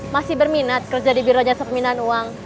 masih berminat kerja di biranya sepeminan uang